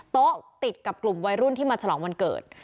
โต๊ะติดกับกลุ่มวัยรุ่นที่มาฉลองวันเกิด